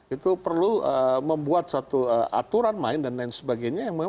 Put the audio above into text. itu perlu membuat satu aturan main dan lain sebagainya